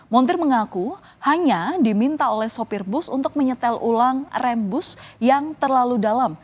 montir mengaku hanya diminta oleh sopir bus untuk menyetel ulang rem bus yang terlalu dalam